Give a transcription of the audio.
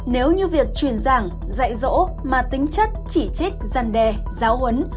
nếu như việc truyền giảng dạy dỗ mà tính chất chỉ trích giăn đề giáo huấn